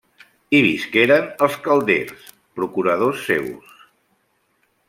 Hi visqueren els Calders, procuradors seus.